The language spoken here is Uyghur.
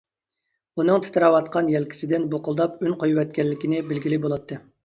ئۇنىڭ تىترەۋاتقان يەلكىسىدىن بۇقۇلداپ ئۈن قويۇۋەتكەنلىكىنى بىلگىلى بولاتتى.